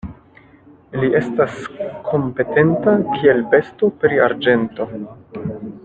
Li estas kompetenta, kiel besto pri arĝento.